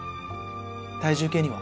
体重計には？